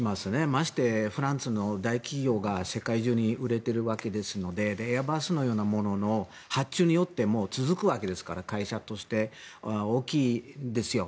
まして、フランスの大企業が世界中に売れているわけですのでエアバスのようなものの発注によっても続くわけですから会社として大きいですよ。